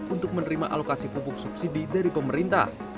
untuk menerima alokasi pupuk subsidi dari pemerintah